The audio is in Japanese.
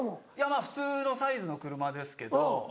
普通のサイズの車ですけど。